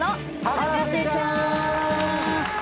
『博士ちゃん』！